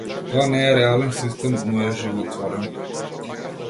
Тоа не е реален систем, но е животворен.